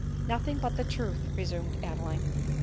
" Nothing but the truth !" resumed Adeline.